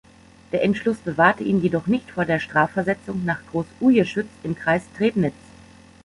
Der Entschluss bewahrte ihn jedoch nicht vor der Strafversetzung nach Groß-Ujeschütz im Kreis Trebnitz.